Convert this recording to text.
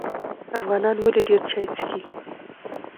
افغانان ولې ډیر چای څښي؟